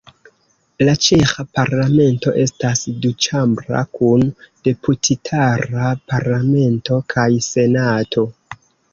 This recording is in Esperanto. La ĉeĥa Parlamento estas duĉambra, kun Deputitara Parlamento kaj Senato.